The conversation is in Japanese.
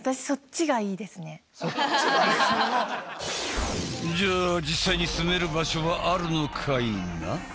そっちが？じゃあ実際に住める場所はあるのかいな？